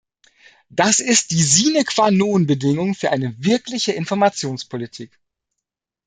Das ist die sine qua non Bedingung für eine wirkliche Informationspolitik.